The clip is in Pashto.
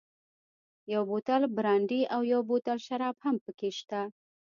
یو بوتل برانډي او یو بوتل شراب هم پکې شته.